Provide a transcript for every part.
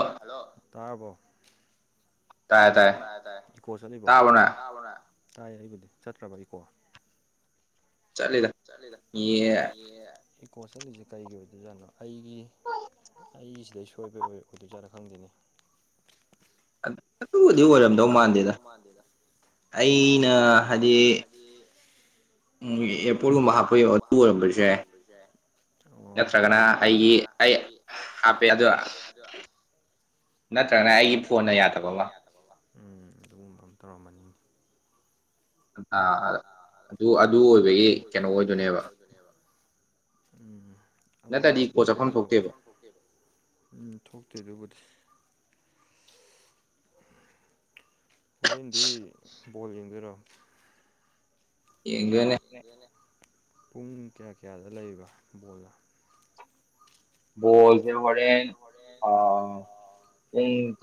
ꯑ ꯍꯜꯂꯣ ꯇꯥꯔꯕꯣ꯫ ꯏꯀꯣ ꯆꯠꯂꯤꯕꯣ ꯇꯥꯏ ꯑꯩꯕꯨꯗꯤ ꯆꯠꯇ꯭ꯔꯕ ꯏꯀꯣ꯫ ꯆꯥꯠꯂꯤꯗ ꯌꯦ ꯏꯀꯣ ꯁꯦꯂꯤꯁꯦ ꯀꯔꯤꯒꯤ ꯑꯣꯏꯗꯣꯏꯖꯥꯠꯅꯣ ꯑꯩ ꯑꯩꯒꯤꯁꯤꯗꯩ ꯁꯣꯏꯕ ꯑꯣꯏ ꯑꯣꯏꯗꯧꯖꯥꯠꯅ ꯈꯪꯗꯦꯅꯦ꯫ ꯑꯗꯨ꯫ ꯑꯗꯨꯕꯨꯗꯤ ꯑꯣꯏꯔꯝꯗꯧ ꯃꯥꯟꯗꯦꯗ꯫ ꯑꯩꯅ ꯍꯥꯏꯗꯤ꯫ [unintelligible] ꯑꯣꯏꯔꯝꯕꯁꯨ ꯌꯥꯏ ꯑꯣ ꯍꯥꯄꯤꯕ ꯅ ꯑꯩꯒꯤ ꯑꯩ ꯍꯥꯞꯇꯦ ꯑꯗꯣ ꯅꯠꯇ꯭ꯔꯅ ꯑꯩꯒꯤ ꯄꯣꯟꯅ ꯌꯥꯗꯕ ꯎꯝ ꯑꯗꯨꯒꯨꯝꯕ ꯑꯃ ꯇꯧꯔꯝꯃꯅꯤꯅꯦ ꯑꯥ ꯑ ꯑꯗꯨ ꯑꯣꯏꯕꯒꯤ ꯀꯩꯅꯣ ꯑꯣꯏꯗꯣꯏꯅꯦꯕ ꯎꯝ ꯑꯃꯨꯃꯨꯛ [unintelligible] ꯎꯝ ꯊꯣꯛꯇꯦ ꯑꯗꯨꯕꯨꯗꯤ꯫ ꯍꯣꯔꯦꯟꯗꯤ ꯕꯣꯜ ꯌꯦꯡꯗꯣꯏꯔꯣ꯫ ꯄꯨꯡ ꯀꯌꯥ ꯀꯌꯥꯗ ꯂꯩꯕ ꯕꯣꯜꯅ꯫ ꯕꯣꯜ [unintelligible] ꯍꫭꯔꯦꯟ ꯑ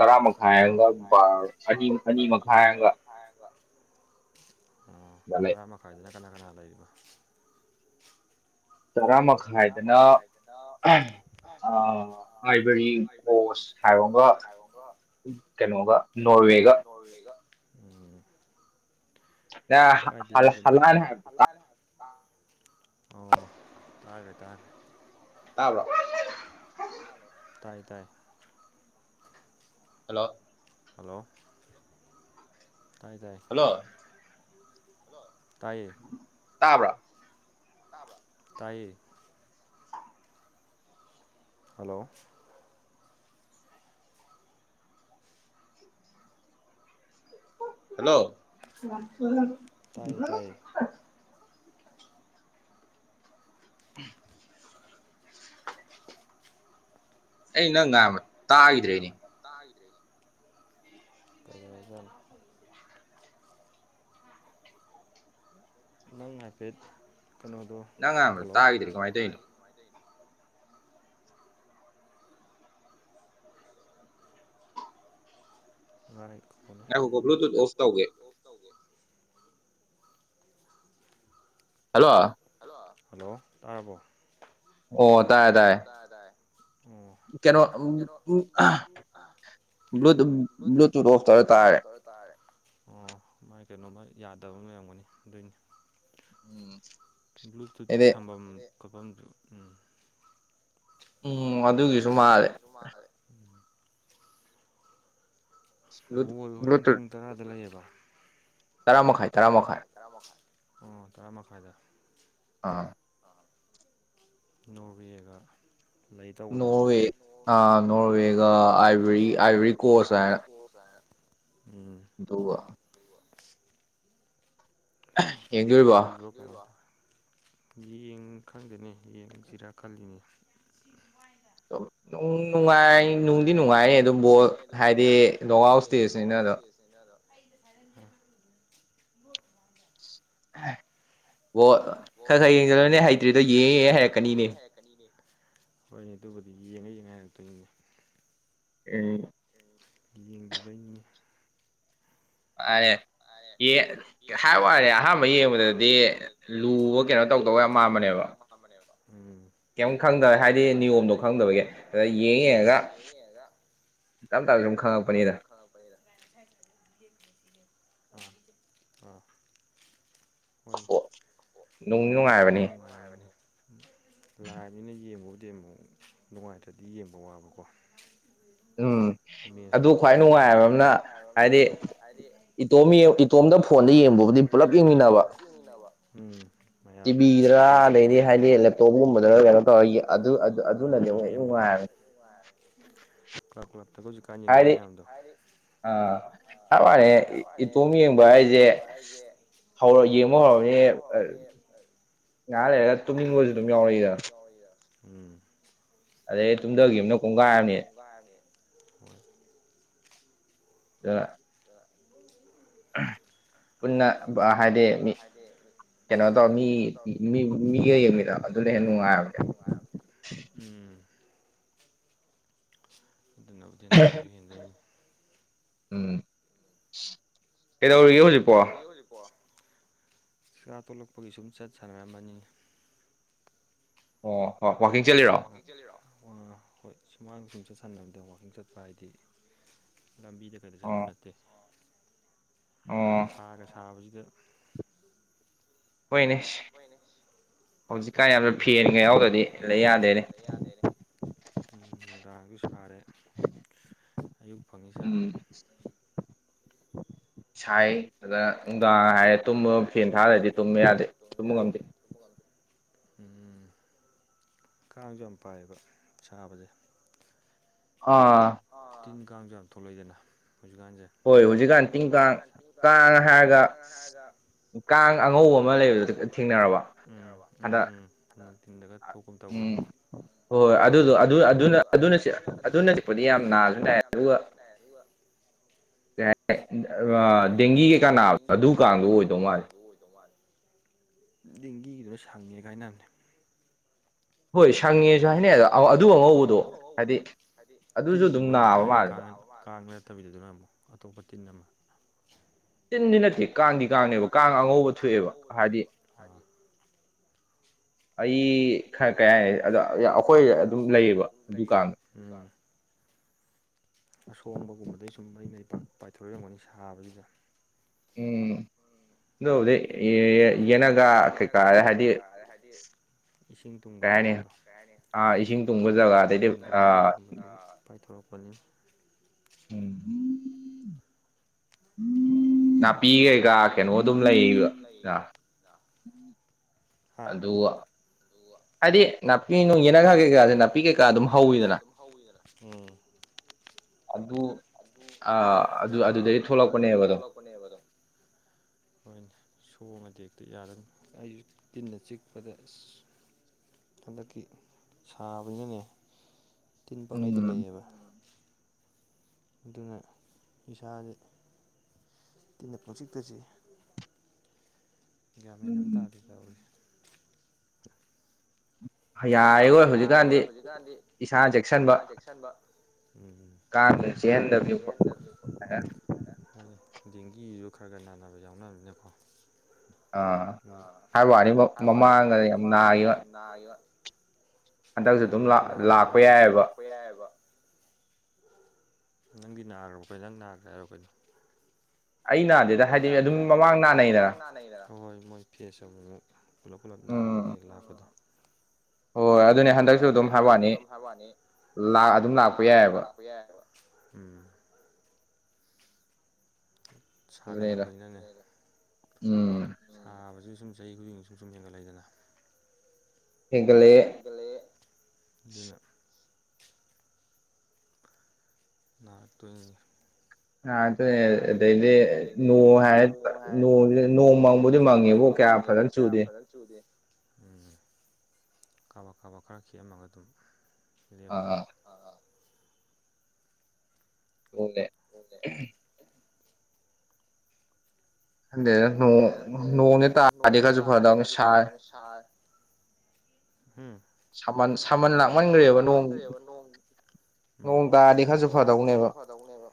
ꯄꯨꯡ ꯇꯔꯥ ꯃꯈꯥꯏ ꯑꯝꯒ [unintelligible] ꯑꯅꯤ ꯃꯈꯥꯏ ꯑꯝꯒ ꯑꯣ ꯇꯔꯥ ꯃꯈꯥꯏꯗꯨꯅ ꯀꯅꯥ ꯀꯅꯥ ꯂꯩꯔꯤꯕ ꯇꯔꯥ ꯃꯈꯥꯏꯗꯅ [unintelligible] [unintelligible] ꯍꯥꯏꯕꯝꯒ ꯀꯩꯅꯣꯒ ꯅꯣꯔꯋꯦꯒ ꯀꯥꯏꯗ ꯌꯦꯡꯗꯣꯏꯅꯣ [unintelligible] ꯑꯣ ꯇꯥꯒ‍꯭ꯔꯦ ꯇꯥꯒ꯭ꯔꯦ ꯇꯥꯕ꯭ꯔꯣ ꯇꯥꯕ꯭ꯔꫭ ꯇꯥꯏ ꯇꯥꯏ ꯍꯜꯂꯣ ꯍꯜꯂꯣ ꯇꯥꯏ ꯇꯥꯏ ꯍꯜꯂꯣ ꯍꯜꯂꫭ ꯇꯥꯏꯌꯦ ꯇꯥꯕ꯭ꯔ ꯇꯥꯕ꯭ꯔ ꯇꯥꯏꯌꯦ ꯍꯜꯂꯣ ꯍꯜꯂꯣ [unintelligible] ꯑꯩ ꯅꯪ ꯉꯥꯡ ꯑꯩ ꯅꯪ ꯉꯥꯡꯕ ꯇꯥꯒꯤꯗ꯭ꯔꯦ [unintelligible] ꯅꯪꯅ ꯍꯥꯏꯐꯦꯠ ꯀꯅꯣꯗꯣ ꯍꯜꯂꯣ [unintelligible] [inaudible] ꯉꯥꯏꯈꫭꯗ [unintelligible] ꯍꯜꯂꯣ ꯍꯂꯣ ꯍꯜꯂꯣ ꯇꯥꯔꯕꯣ ꯑꯣ ꯇꯥꯔꯦ ꯇꯥꯔꯦ ꯇꯥꯔꯦ ꯇꯥꯔꯦ ꯑꫭ ꯀꯩꯅꯣ [unintelligible] [unintelligible] ꯇꯥꯔꯦ ꯑꯣ ꯃꫭꯏ ꯀꯩꯅꯣꯝꯃ ꯌꯥꯗꯕꯝ ꯂꯩꯔꯝꯒꯅꯤ ꯑꯗꯨꯏꯅꯤ ꯎꯝ ꯕ꯭ꯂꯨꯇꯨꯠ [unintelligible] ꯎꯝ ꯎꯝ ꯑꯗꯨꯒꯤꯁꯨ ꯑꯗꯨꯒꯤꯁꯨ ꯃꯥꯜꯂꯦ ꯎꯝ ꯕꯣꯜ ꯍꯣꯔꯦꯟ ꯄꯨꯡ ꯇꯔꯥꯗ ꯂꯩꯌꯦꯕ ꯇꯔꯥ ꯃꯈꯥꯏ ꯇꯔꯥ ꯃꯈꯥꯏ ꯇꯔꯥꯃꯈꯥꯏ ꯑꯣ ꯇꯔꯥ ꯃꯈꯥꯏꯗ ꯑ ꯅꯣꯔꯋꯦꯒ ꯂꯩ ꯇꯧꯕꯗꯣ [unintelligible] ꯑ ꯅꯣꯔꯋꯦꯒ [unintelligible] ꯀꯣꯁ ꯍꯥꯏꯅ ꯑꯗꯨꯒ [unintelligible] [unintelligible] ꯍꯩꯕ [unintelligible] ꯌꯦꯡ ꯈꯪꯗꯅꯦ ꯌꯦꯡꯁꯤꯔ ꯈꯜꯂꯤꯅꯦ [unintelligible] [unintelligible] ꯅꯨꯡꯗꯤ ꯅꯨꯡꯉꯥꯏꯌꯦ ꯑꯗꯨꯝ ꯕꯣꯜ ꯍꯥꯏꯗꯤ ꯅꫭꯛꯑꯥꯎꯠ ꯏꯁꯇꯦꯖ [unintelligible] ꯕꯣ ꯈꯔ ꯈꯔ ꯌꯦꯡꯁꯤꯂꯣꯅꯦ ꯍꯩꯇ꯭ꯔꯤꯗꯣ ꯌꯦꯡꯉ ꯌꯦꯡꯉ ꯍꯩꯔꯛꯀꯅꯤꯅꯦ ꯀꯅꯤꯅꯦ ꯍꯣꯏꯅꯦ ꯑꯗꯨꯕꯨꯗꯤ ꯌꯦꯡꯉ ꯌꯦꯡꯉ ꯍꯥꯏꯔꯛꯇꯣꯏꯅꯤꯅꯦ ꯑꯝ ꯌꯦꯡꯗꯕꯩꯅꯤ ꯃꯔꯦ ꯑꯦ ꯍꯥꯏ ꯋꯥꯅꯦ ꯑꯍꯥꯟꯕ ꯌꯦꯡꯕꯗꯗꯤ ꯂꯨꯕ ꯀꯩꯅꯣ ꯇꯧꯗꯧꯕ ꯌꯥꯝ ꯃꯥꯟꯕꯅꯦꯕ [unintelligible] ꯎꯝ ꯀꯩꯝ ꯈꯪꯗ ꯍꯥꯏꯗꯤ ꯅꯤꯌꯣꯝꯗꯣ ꯈꯪꯗꯕꯒꯤ ꯑꯗ ꯌꯦꯡꯉ ꯌꯦꯡꯉꯒ [unintelligible] ꯇꯪ ꯇꯔꯁꯨ ꯑꯗꯨꯝ ꯈꯪꯉꯛꯄꯅꯤꯗ [unintelligible] ꯑꯥ ꯑꯥ ꯍꯣꯏ ꯅꯨꯡꯉꯥꯏꯕꯨꯗꯤ ꯅꯨꯡꯉꯥꯏꯕꯅꯤ ꯂꯥꯏꯕꯅꯤꯅ ꯌꯦꯡꯕꯕꯨꯗꯤ ꯑꯃꯨꯛ ꯅꯨꯡꯉꯥꯏꯇ꯭ꯔꯗꯤ ꯌꯦꯡꯕ ꯋꯥꯕꯀꯣ ꯎꯝ ꯃꯦꯁꯇꯣ ꯑꯗꯨ ꯈ꯭ꯋꯥꯏ ꯅꯨꯡꯉꯥꯏꯕ ꯑꯝꯅ ꯍꯥꯏꯗꯤ ꯏꯇꯣꯝ ꯏꯇꯣꯝꯗ ꯐꯣꯟꯗ ꯌꯦꯡꯕꯕꯨꯗꯤ ꯄꯨꯂꯞ ꯌꯦꯡꯃꯤꯟꯅꯕ ꯎꯨ ꯃꯌꯥꯝ [unintelligible] [unintelligible] ꯌꯦꯡꯕꯗꯣ [unintelligible] ꯀ꯭ꯂꯞ ꯀ꯭ꯂꯞꯇꯒ ꯍꯧꯖꯤꯛꯀꯥꯟ ꯌꯦꯡꯅꯩ ꯃꯌꯥꯝꯗꯣ ꯑꯥ ꯍꯥꯏ ꯋꯥꯅꯦ ꯏꯇꯣꯝ ꯌꯦꯡꯕ ꯍꯥꯏꯁꯦ ꯍꯧꯔꯣ ꯌꯦꯡꯕꯣ ꯍꯧꯔꯔꯕꯅꯦ ꯑꯥ ꯉꯍꯥꯛ ꯂꯩꯔꯒ ꯉꯍꯥꯛ ꯂꯩꯔꯒ ꯇꯨꯝꯅꯤꯡꯕꯁꯨ ꯑꯗꯨꯝ ꯌꯥꯎꯔꯛꯏꯗꯅ ꯑꯗꯨꯕꯨ ꯑꯗꯩ ꯇꯨꯝꯗꯒꯤꯕꯅ ꯀꯣꯡꯒꯥꯏ ꯑꯝꯅꯤ ꯑꯥ [unintelligible] ꯍꯥꯏꯗꯤ ꯀꯩꯅꯣꯇꯧ ꯃꯤ ꯃꯤ ꯃꯤꯒ ꯌꯦꯡꯃꯤꯅ ꯑꯗꯨꯅ ꯍꯦꯟꯅ ꯅꯨꯡꯉꯥꯏꯝꯅꯦ ꯎꯝ ꯑꯗꯨꯅꯕꯨꯗꯤ ꯅꯨꯡꯉꯥꯏꯕ ꯍꯦꯟꯗꯣꯏꯅꯤ ꯎꯝ ꯀꯩꯗꯧꯔꯤꯒꯦ ꯍꯧꯖꯤꯛꯄꯣ ꯀꯦ ꯍꯧꯖꯤꯄꯣ ꯆꯥꯛꯆ ꯇꯣꯛꯂꯛꯄꯒꯤ ꯁꯨꯝ ꯆꯠ ꯁꯥꯟꯅꯔꯝꯕꯅꯤꯅꯦ ꯑꯣ ꯑꯣ ꯋꯥꯀꯤꯡ ꯆꯠꯂꯤꯔꯣ ꯑꯥ ꯍꯣꯏ ꯁꯨꯃꯥꯡ ꯁꯨꯝ ꯆꯠ ꯁꯥꯟꯅꯕꯗ ꯋꯥꯀꯤꯡ ꯆꯠꯄ ꯍꯥꯏꯗꯤ ꯂꯝꯕꯤꯗ ꯀꯩꯗ ꯆꯥꯠꯄ ꯅꯠꯇꯦ ꯑꯣ ꯁꯥꯒ ꯁꯥꯕꯁꯤꯗ ꯍꯣꯏꯅꯦ ꯍꯣꯏꯅꯦ ꯍꯧꯖꯤꯛꯀꯥꯟ ꯌꯥꯝ ꯀꯥ ꯌꯥꯝꯅ ꯐꯦꯟꯒꯥ ꯌꯥꯎꯗꯗꯤ ꯂꯩ ꯌꯥꯗꯦꯅꯦ ꯎꯝ ꯅꯨꯡꯗꯥꯡꯁꯨ ꯁꯥꯔꯦ ꯑꯌꯨꯛ ꯐꯪꯉꯤ ꯁꯥ ꯁꯥꯏ ꯐꯖꯅ ꯅꯨꯡꯗꯥꯡ ꯍꯥꯏꯔꯦ ꯇꯨꯝꯕ ꯐꯦꯟ ꯊꯥꯗꯔꯗꯤ ꯇꯨꯝꯕ ꯌꯥꯗꯦ ꯇꯨꯝꯕ ꯉꯝꯗꯦ [unintelligible] ꯎꯝ ꯀꯥꯡꯁꯨ ꯌꯥꯝ ꯄꯥꯏꯕ ꯁꯥꯕꯁꯦ ꯑꯥ ꯑꯥ ꯇꯤꯟ ꯀꯥꯡꯁꯨ ꯌꯥꯝ ꯊꯣꯛꯂꯛꯏꯗꯅ ꯍꯧꯖꯤꯛꯀꯥꯟꯁꯦ ꯇ ꯍꯥꯏꯦꯒ [unintelligible] [inaudible] ꯀꯥꯡ ꯑꯉꯧꯕ ꯑꯃꯥ ꯂꯩꯕ ꯎꯝ ꯎꯝ ꯅꯨꯡ ꯊꯤꯟꯗꯒꯥ ꯊꯣꯛꯀꯨꯝ ꯇꯧꯕꯅꯤ ꯀꯥꯡ ꯍꯥꯏꯗꫭꯏꯔꯥ ꯑꯗꯨꯅ ꯆꯤꯛꯄꯗꯤ ꯌꯥꯝ ꯅꯥꯁꯨ ꯅꯥꯏ ꯑꯗꯨꯒ ꯗꯦꯡ ꯀ ꯆꯠꯅꯥ ꯑꯗꯨ ꯀꯥꯡꯗꯨ ꯑꫭꯏ [unintelligible] [inaudible] ꯗꯧꯃꯥꯜꯂ‌ꯦ ꯗ‌ꯦꯡꯒꯤꯒꯤꯗꯨꯗꯤ ꯁꯪꯉꯦꯀꯥ ꯍꯥꯏꯅꯕꯅ‌ꯦ ꯍꯣꯏ ꯁꯪꯉ‌‌ꯦ ꯍꯣꯏ ꯁꯪꯉꯦꯁꯨ ꯍꯥꯏꯅꯩ ꯑꯗꯨ ꯑꯉꯧꯕꯗꫭ ꯍꯥꯏꯗꯤ ꯇꯤꯟꯒꯨꯝꯕ ꯑꯣꯏꯔꯝꯕꯁꯨ ꯌꯥꯏꯌꯦ ꯀꯥꯡ ꯀꯥꯡ ꯅꯠꯇꯕꯤꯗꯨꯗ [unintelligible] ꯑꯃꯨꯛ ꯑꯇꯣꯞꯄ ꯇꯤꯟ ꯑꯃꯥ [inaudible] ꯇꯤꯟꯗꯤ ꯅꯠꯇꯦ ꯀꯥꯡꯗꯤ ꯀꯥꯡꯅꯦꯕ ꯀꯥꯡ ꯑꯉꯧꯕ ꯊꯣꯛꯑꯦꯕ ꯍꯥꯏꯗꯤ ꯑꯩ ꯑꯩ ꯈꯔ ꯀꯌꯥ [unintelligible] ꯑꯗ ꯑꯩꯈꯣꯏ ꯑꯗꯨꯝ ꯂꯩꯌꯦꯕ ꯎꯝ [inaudible] ꯑꯁꯣꯡꯕꯒꯨꯝꯕꯗꯩ ꯁꯨꯝ ꯑꯩꯅ [unintelligible] ꯄꯥꯏꯊꯣꯛꯔꯛꯏ ꯑꯣꯏꯔꯝꯒꯅꯤ ꯁꯥꯕꯕꯁꯤꯗ ꯎꯝ ꯑꯗꯨꯕꯨꯗꯤ ꯑꯗꯨꯕꯨꯗꯤ ꯌꯦꯅꯈꯥ ꯀꯩꯀꯥ ꯍꯥꯏꯗꯤ ꯏꯁꯤꯡ ꯇꯨꯡꯕ ꯖꯒꯥꯗꯣ ꯗ꯭ꯔꯦꯟ [inaudible] ꯄꯥꯏꯊꯣꯔꯛꯄꯅꯤ ꯎꯝ ꯅꯥꯄꯤ ꯀꯩꯀ ꯀꯩꯅꯣ ꯑꯗꯨꯝ ꯂꯩꯕ ꯑꯗꯨ ꯑ [unintelligible] ꯍꯥꯏꯗꯤ ꯅꯥꯄꯤ ꯌꯦꯅꯈꯥ ꯀꯩꯀꯥꯁꯦ ꯅꯥꯄꯤ ꯀꯩꯀꯥ ꯑꯗꯨꯝ ꯍꯧꯋꯤꯗꯅ ꯑꯗꯨ ꯑꯥ ꯑꯗꯨ ꯑꯗꯨꯗꯩ ꯊꯣꯛꯂꯛꯄꯅꯦꯕ ꯑꯗꯣ ꯄꯅꯦꯕ ꯑꯗꫭ ꯍꫭꯏꯅ‌ꯦ ꯁꯣꯡꯕꯁꯦ ꯍꯦꯛꯇ ꯌꯥꯗꯕꯅꯤ ꯑꯩꯁꯨ ꯇꯤꯟꯅꯥ ꯆꯤꯛꯄꯗ ꯑꯁ ꯍꯟꯗꯛꯀꯤ ꯁꯥꯕꯖꯤꯅꯅꯦ ꯇꯤꯟ ꯄꯪꯂꯩꯗ ꯂꯩꯌꯦꯕ ꯑꯗꯨꯅ ꯏꯁꯥꯥꯁ‌ꯦ ꯇꯤꯟꯅ ꯄꯪꯆꯤꯛꯇ ꯆꯤꯛꯏ ꯒ꯭ꯌꯥꯟ ꯃꯦꯟ ꯑꯃꯥ ꯇꯥꯗꯤ ꯇꯧꯔꯤꯁꯦ ꯌꯥꯔꯦꯈꯣꯏ [unintelligible] ꯍꯧꯖꯤꯛꯀꯥꯟꯗꯤ ꯏꯁꯥꯅ ꯆꯦꯛꯁꯤꯟꯕ ꯎꯝ ꯀꯥꯡ ꯅꯨꯡ ꯆꯤꯛ [unintelligible] ꯎꯝ ꯍꯣꯏꯅꯦ ꯗꯦꯡꯒꯤꯁꯨ ꯈꯔ ꯈꯔ ꯅꯥꯟꯅꯕ ꯌꯥꯎꯅꯕꯁꯤꯗꯀꯣ ꯑꯥ ꯍꯥꯏ ꯋꯥꯅꯤꯕꫭ ꯃꯃꯥꯡꯗ ꯌꯥꯝ ꯅꯥꯈꯤꯕ ꯑꯣ ꯅꯪ ꯂꯥꯛꯄ ꯌꯥꯏꯑ‌ꯦꯕ ꯅꯪꯗꯤ ꯅꯥꯈ꯭ꯔꯥꯕꫭ ꯀꯩꯅꫭ ꯅꯪ ꯅꯥꯒ꯭ꯔꯦ ꯍꯥꯏꯔꫭ ꯀꯩꯅꫭ ꯑꯩ ꯅꯥꯗꯦꯗ ꯍꯥꯏꯗꯤ ꯑꯗꯨꯝ ꯃꯃꯥꯡ ꯅꯥꯅꯩꯗꯅꯥ ꯍꫭꯍꯣꯏ ꯃꯣꯏ ꯐꯦꯁ ꯑꯃꯨ ꯑꯃꯨꯛ ꯄꯨꯂꯞ ꯄꯨꯂꯞ ꯅꯥꯕꯒꯤ ꯍꯦꯛ ꯂꯥꯛꯄꯗꯣ ꯑꯣ ꯑꯗꯨ ꯍꯣꯏ ꯑꯗꯨꯅꯦ ꯍꯟꯗꯛꯁꯨ ꯑꯗꯨꯝ ꯍꯥꯏꯕ ꯋꯥꯅꯤ ꯂꯥ ꯑꯗꯨꯝ ꯂꯥꯛꯄ ꯌꯥꯏ ꯍꯥꯏ ꯁꯥꯒꯠꯂꯛꯄꯁꯤꯅꯅꯦ ꯁꯥꯕꯕꯁꯤ ꯁꯨꯝ ꯆꯍꯤ ꯈꯨꯗꯤꯡꯁꯨ ꯁꯨꯝ ꯁꯨꯝ ꯍꯦꯟꯒꯠꯂꯛꯏꯗꯅ ꯍ‌ꯦꯟꯒꯠꯂꯛꯑ‌ꯦ ꯍ‌ꯦꯟꯒꯠꯂꯛꯑ‌ꯦ ꯑꯗꯨꯅ ꯅꯥꯔꯛꯇꫭꯏꯅꯤꯅ‌ꯦ ꯑ [unintelligible] ꯑꯗꯩꯗꯤ ꯅꫭꯡ ꯍꯥꯏꯣꯡ [unintelligible] ꯅꫭꯡ ꯃꯪꯕꯨꯗꯤ ꯃꯪꯉꯦꯕꯨ ꯀꯌꯥ ꯐꯖꯅꯥ ꯆꯨꯗ‌ꯦ ꯎꯝ ꯀꯥꯕꯛ ꯀꯥꯕꯛ ꯈꯔꯥ ꯈꯤꯛꯑꯝꯃꯒꯥ ꯑꯗꯨꯝ ꯂꯦꯞꯈ꯭ꯔꯅꯤ ꯑꯥ ꯑꯥ ꯑꯣꯡꯂꯦ ꯑꯣꯡꯂꯦ ꯗꯦ ꯅꯣꯡ ꯅꯣꯡꯅꯦ ꯇꯥꯔꯗꯤ ꯈꯔꯖꯨ ꯐꯥꯗꯧꯅꯦ ꯁꯥꯔꯦ ꯎꯝ ꯁꯥꯃꯟ ꯂꯥꯛꯃꯟꯒ꯭ꯔꯦꯕ ꯅꯣꯡ ꯎꯝ ꯅꯣꯡ ꯇꯥꯔꯗꯤ ꯈꯥꯖꯨ ꯐꯥ ꯇꯧꯅꯦꯕ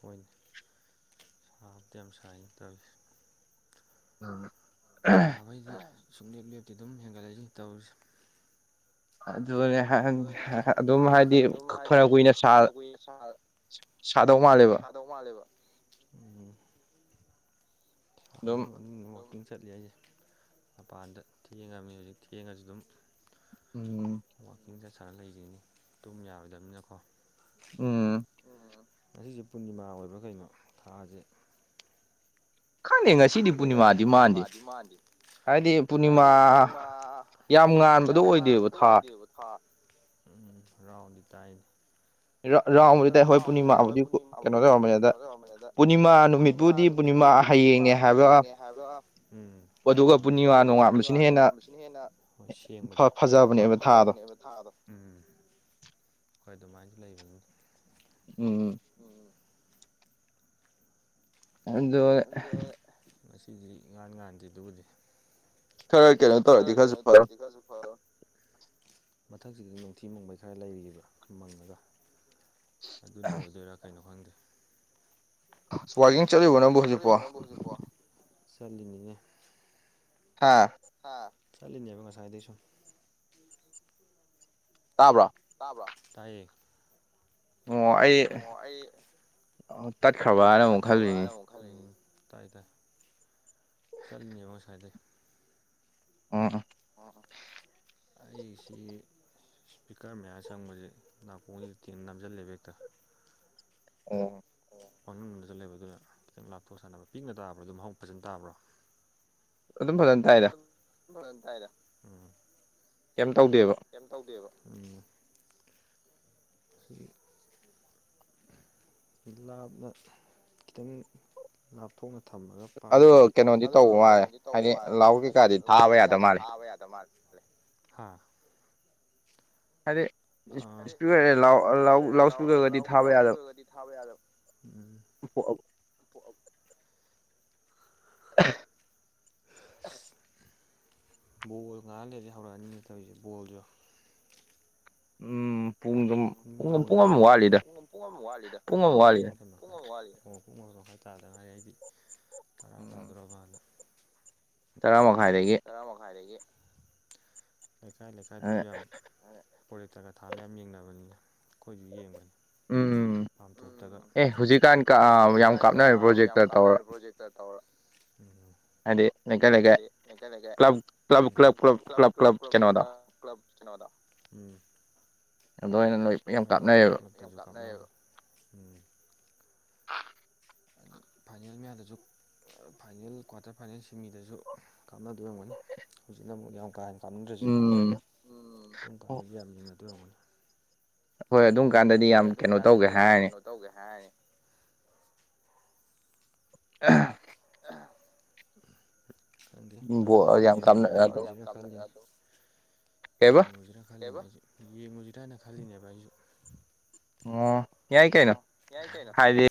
ꯑꯣꯏꯅꯦ ꯁꯥꯝꯗꯤ ꯌꯥꯝ ꯁꯥꯏꯅꯦ ꯇꯧꯔꯤꯁꯦ [unintelligible] ꯑꯃꯩꯗꯤ ꯁꯨꯡꯂꯦꯞ ꯂꯦꯞꯇꯦ ꯑꯗꯨꯝ ꯍꯦꯟꯒꯠꯂꯛꯏꯖꯤꯅꯤ ꯇꯧꯔꯤꯁꯦ ꯑꯗꯨꯅꯦ ꯍꯟ ꯍ ꯑꯗꯨꯝ ꯍꯥꯏꯗꯤ ꯐꯥꯔ ꯀꯨꯏꯅ ꯁꯥ ꯁꯥꯗꯧ ꯃꯥꯜꯂꯦꯕ ꯗꯧ ꯃꯥꯜꯂꯦꯕ ꯎꯝ [unintelligible] ꯋꯥꯛꯀꯤꯡ ꯆꯠꯂꯤ ꯍꯥꯏꯖꯦ ꯃꯄꯥꯟꯗ ꯊꯦꯡꯉꯃꯤ ꯍꯧꯖꯤꯛ ꯊꯦꯡꯉꯖꯨ ꯑꯗꯨꯝ ꯎꯝ ꯋꯥꯛꯀꯤꯡ ꯆꯠ ꯁꯥꯟꯅ ꯂꯩꯖꯤꯅꯤꯅꯦ ꯇꯨꯝ ꯌꯥꯔꯣꯏꯃꯤꯅꯀꯣ ꯎꯝ ꯎꯝ ꯉꯁꯤꯖꯦ ꯄꯨꯔꯅꯤꯃꯥ ꯑꯣꯏꯕ꯭ꯔꯥ ꯀꯩꯅꯣ ꯊꯥꯖꯦ ꯈꯪꯗꯦ ꯉꯁꯤꯗꯤ ꯄꯨꯔꯅꯤꯃꯥꯗꯤ ꯃꯥꯥꯟꯗꯦ ꯍꯥꯏꯗꯤ ꯄꯨꯔꯅꯤꯃꯥ ꯌꯥꯝ ꯉꯥꯟꯕꯗꯣ ꯑꯣꯏꯗꯦꯕ ꯍꯥ ꯎꯝ ꯔꯥꯎꯟꯗꯤ ꯇꯥꯏꯅꯦ ꯔ ꯔꯥꯎꯟꯕꯨꯗꯤ ꯇꯥꯏ ꯍꯣꯏ ꯄꯨꯔꯅꯤꯃꯥ ꯍꯨꯖꯤꯛꯁꯨ ꯀꯩꯅꯣꯗ ꯋꯥꯡꯃꯜꯂꯦꯗ ꯄꯨꯔꯅꯤꯃꯥꯂꯣ ꯃꯤꯄꯨꯗꯤ ꯄꯨꯔꯅꯤꯃꯥ ꯍꯌꯦꯡꯅꯦ ꯍꯥꯏꯕ ꯎꯝ ꯍꯣꯏꯅꯦ ꯑꯗꯨꯒ ꯄꯨꯅꯤꯋꯥ ꯅꯣꯡꯉꯥꯝꯕꯁꯤꯅ ꯍꯦꯟꯅ ꯍꯣꯏ ꯁꯦꯡꯕꯗꯣ ꯐꯖꯥꯕꯅꯦꯕ ꯊꯥꯗꯣ ꯎꯝ ꯈꯣꯏ ꯑꯗꯨꯃꯥꯏꯅꯗꯤ ꯂꯩꯕꯅꯦ ꯎꯝ ꯎꯝ ꯎꯝ ꯎꯝ ꯑꯗꯣ ꯉꯁꯤꯗꯤ ꯏꯉꯥꯟ ꯉꯥꯟꯗꯦ ꯑꯗꯨꯕꯨꯗꯤ ꯈꯔ ꯀꯩꯅꯣ ꯈꯔ ꯀꯩꯅꯣ ꯇꯧꯔꯗꯤ ꯈꯔꯖꯨ ꯐꯔꯣ ꯃꯊꯛꯁꯤꯒꯩ ꯅꯨꯡꯊꯤ ꯃꯪꯕꯩ ꯈꯔ ꯂꯩꯔꯤꯕ ꯃꯪꯉꯒ ꯑꯗꯨꯅ ꯑꯣꯏꯗꯣꯏꯔ ꯀꯩꯅꯣ ꯈꯪꯗꯦ ꯋꯥꯔꯒꯤꯡ ꯆꯠꯂꯤꯕ ꯅꯪꯕꯨ ꯍꯨꯖꯤꯛꯄꯣ ꯆꯠꯂꯤꯅꯤꯅꯦ ꯍꯥꯥ ꯍꯥ ꯆꯠꯂꯤꯅꯦꯕ ꯉꯁꯥꯏꯗꯩꯁꯨꯨ ꯇꯥꯕ꯭ꯔꯣ ꯇꯥꯕ꯭ꯔꯣ ꯇꯥꯏꯌꯦ ꯉꯣ ꯑꯩ ꯉꯣ ꯑꯩ ꯑꯣ ꯇꯠꯈ꯭ꯔꯥ ꯇꯠꯈ꯭ꯔꯕꯥꯅ ꯑꯃꯨꯛ ꯈꯜꯂꯤꯅꯤ ꯇꯥꯏ ꯇꯥꯏ ꯆꯠꯂꯤꯅꯦꯕ ꯉꯁꯥꯏꯗꯩ ꯎꯝ ꯑꯩꯁꯤ ꯏꯁꯄꯤꯀꯔ ꯃꯌꯥ ꯆꯪꯕꯖꯦ ꯅꯥꯀꯣꯡꯖꯦ ꯀꯤꯟꯅ ꯅꯝꯖꯥꯜꯂꯦꯕ ꯍꯦꯛꯇ ꯑꯣ ꯐꯃꯨꯡꯗ ꯂꯩꯕ ꯑꯗꯨꯗꯨꯅ ꯈꯤꯇꯪ ꯂꯥꯞꯊꯣꯛ ꯁꯥꯟꯅꯕ ꯄꯤꯛꯅ ꯇꯥꯕ꯭ꯔꯥ ꯑꯗꯨꯛ ꯍꯥꯎꯅ ꯐꯖꯅ ꯇꯥꯕ꯭ꯔꯣ ꯑꯗꯨꯝ ꯐꯖꯅ ꯇꯥꯢꯗ ꯑꯗꯨꯝ ꯐꯖꯅ ꯇꯥꯢꯗ ꯑꯝ ꯀꯩꯝ ꯇꯧꯗꯦꯕ ꯀꯩꯝ ꯇꯧꯗꯦꯕ ꯎꯝ ꯑꯗꯨꯒꯤ ꯂꯥꯞꯅ ꯈꯤꯇꯪ ꯂꯥꯞꯊꯣꯛꯅ ꯊꯝꯃꯒ ꯄꯥꯏꯗ꯭ꯔꯗꯤ ꯑꯗꯨ ꯀꯩꯅꯣꯗꯤ ꯇꯧꯕ ꯃꯥꯂꯦ ꯍꯥꯏꯗꯤ ꯂꯥꯎꯠ ꯀꯩꯀꯥꯗꯤ ꯊꯥꯕ ꯌꯥꯗ ꯃꯥꯜꯂꯦ ꯈꯜꯂꯦ ꯍꯥꯥ ꯍꯥꯏꯗꯤ ꯏꯁ꯭ꯄꯤꯀꯔ ꯂꯥꯎꯠ ꯏꯁ꯭ꯄꯤꯀꯔꯒꯗꯤ ꯊꯥꯕ ꯌꯥꯗꯕꯅꯤ ꯎꯝ ꯑ [unintelligible] ꯕꯣꯜ ꯉꯥꯛ ꯂꯩꯔꯗꯤ ꯍꯧꯔꯛꯑꯅꯤꯅꯦ ꯇꯧꯔꯤꯁꯦ ꯕꯣꯜꯁꯨ ꯎꯝ ꯎꯝ ꯃꯤ ꯍꯧꯅꯈ꯭ꯔꯕꯣ ꯄꯨꯡ ꯄꯨꯡ ꯑꯃꯨꯛ ꯋꯥꯠꯂꯤꯗ ꯑꯣ ꯄꯨꯡ ꯃꯄꯥꯜ ꯄꯨꯡ ꯑꯃ ꯋꯥꯠꯂꯤꯗ ꯑꯣ ꯄꯨꯡ ꯃꯄꯥꯜ ꯃꯈꯥꯢ ꯇꯗꯥ ꯉꯥꯢꯔꯤ ꯑꯩꯗꯤ ꯇꯔꯥ ꯇꯥꯗꯣꯔ ꯃꯥꯜꯂꯦ ꯇꯔꯥ ꯃꯈꯥꯏꯗꯒꯤ ꯇꯔꯥ ꯃꯈꯥꯏꯗꯒꯤ ꯂꯩꯀꯥꯏ ꯂꯩꯀꯥꯏꯗꯁꯨ ꯌꯥꯝ ꯑꯥ ꯄ꯭ꯔꯣꯖꯦꯛꯇ꯭ꯔꯒ ꯊꯥꯜꯂ ꯌꯥꯝ ꯌꯦꯡꯅꯕꯅꯤꯗ ꯑꯩꯈꯣꯏꯁꯨ ꯌꯦꯡꯕꯅꯤ ꯎꯝ ꯑꯦ ꯍꯧꯖꯤꯛꯀꯥꯟ ꯌꯥꯝ ꯀꯥꯞꯅꯕꯣ ꯄ꯭ꯔꯣꯖꯦꯛ ꯇ꯭ꯔ ꯇꯧꯔ ꯎꯝ ꯍꯥꯢꯗꯤ ꯍꯥꯏꯗꯤ ꯂꯩꯀꯥꯢ ꯂꯩꯀꯥꯢ [unintelligible] ꯀꯩꯅꯣꯗꯣ ꯎꯝ ꯑꯗꯨꯃꯥꯢꯅ ꯂꯩ ꯑꯗꯨꯃꯥꯢꯅ ꯂꯩ ꯌꯥꯝ ꯂꯞꯅꯩꯕ ꯑꯝ ꯐꯥꯏꯅꯦꯜ ꯃꯌꯥꯗꯁꯨ ꯐꯥꯏꯅꯦꯜ ꯀ꯭ꯋꯥꯇꯔ ꯐꯥꯏꯅꯦꯜ ꯁꯤꯃꯤꯗꯁꯨ ꯀꯥꯞꯅꯗꯨꯢ ꯑꯣꯢꯔꯝꯒꯅꯤ ꯍꯧꯖꯤꯛꯅ ꯑꯃꯨꯛ ꯌꯥꯝ ꯀꯥ ꯍꯦꯟꯅ ꯀꯥꯞꯅꯤꯡꯗ꯭ꯔꯁꯨꯀꯣ ꯑꯗꯨꯝ ꯀꯥꯟꯗꯗꯤ ꯌꯥꯝ ꯌꯦꯡꯅꯗꯨꯢ ꯑꯣꯢꯔꯝꯒꯅꯤ ꯍꯣꯏ ꯑꯗꯨꯝ ꯀꯥꯟꯗꯗꯤ ꯌꯥꯝ ꯀꯩꯅꯣ ꯇꯧꯒꯦ ꯍꯥꯏꯔꯅꯤ ꯇꯧꯒꯦ ꯍꯥꯏꯔꯅꯤ ꯑ [unintelligible] ꯑ [unintelligible] ꯈꯪꯗꯦ ꯉꯥꯢꯍꯥꯛ ꯂꯩꯔꯒ ꯌꯦꯡ [unintelligible] [unintelligible] [unintelligible] ꯌꯦꯡꯉꯨꯁꯤꯔꯥ ꯈꯜꯂꯤꯅꯦ ꯌꯦꯡꯉꯨꯁꯤꯔꯅ ꯈꯜꯂꯤꯅꯦꯕ ꯑꯩꯁꯨ ꯑꯣ ꯌꯥꯏ ꯀꯩꯅꯣ ꯍꯥꯏꯗꯤ